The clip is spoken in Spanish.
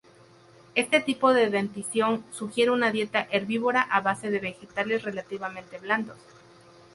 Este tipo de dentición sugiere una dieta herbívora a base de vegetales relativamente blandos.